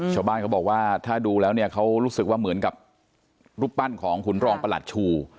ชาวบ้านเขาบอกว่าถ้าดูแล้วเนี่ยเขารู้สึกว่าเหมือนกับรูปปั้นของขุนรองประหลัดชู